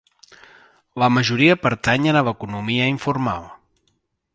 La majoria pertanyen a l'economia informal.